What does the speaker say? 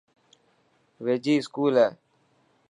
ويجھي اسڪول هي.